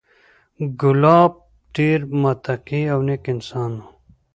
کلاب ډېر متقي او نېک انسان و،